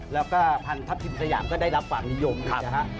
แล้วก็พันทัพทิมสยามก็ได้รับความนิยมนะฮะ